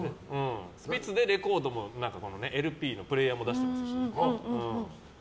スピッツでレコードもＬＰのプレーヤーも出してますから。